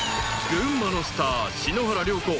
［群馬のスター篠原涼子。